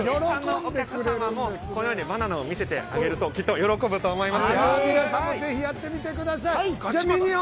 ◆お客様もこのようにバナナを見せてくれると、きっと喜ぶと思います。